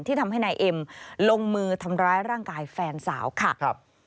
ทำให้นายเอ็มลงมือทำร้ายร่างกายแฟนสาวค่ะ